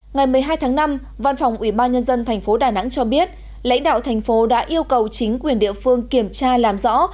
ngày một mươi hai tháng năm văn phòng ủy ban nhân dân tp đà nẵng cho biết lãnh đạo thành phố đã yêu cầu chính quyền địa phương kiểm tra làm rõ